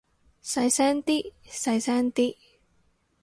細聲啲，細聲啲